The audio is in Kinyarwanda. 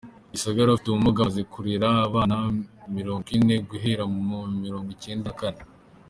Gisagara Ufite ubumuga amaze kurera abana mirongwine guhera mu mirongwicyenda nakane